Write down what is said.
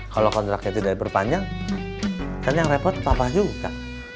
kalau kontraknya tidak diperpanjang kan yang repot papa juga